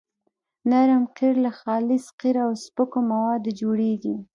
نرم قیر له خالص قیر او سپکو موادو جوړیږي